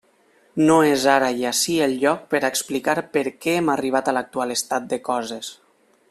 No és ara i ací el lloc per a explicar per què hem arribat a l'actual estat de coses.